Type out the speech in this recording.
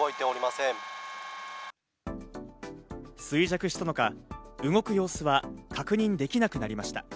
衰弱したのか、動く様子は確認できなくなりました。